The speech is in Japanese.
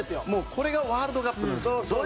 これがワールドカップなんです。